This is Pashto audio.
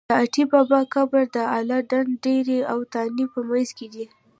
د اټی بابا قبر د اله ډنډ ډېری او تانې په منځ کې دی.